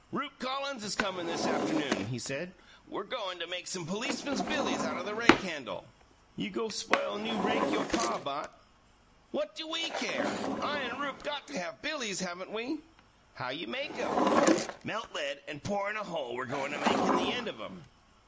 Rupe Collins is comin' this afternoon, he said. We're goin' to make some policemen's billies out of the rake handle." "You go' spoil new rake you' pa bought?" "What do WE care? I and Rupe got to have billies, haven't we?" "How you make 'em?" "Melt lead and pour in a hole we're goin' to make in the end of 'em.